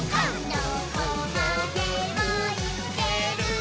「どこまでもいけるぞ！」